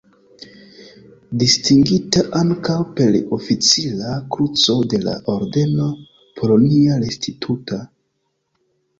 Distingita ankaŭ per Oficira Kruco de la Ordeno "Polonia Restituta".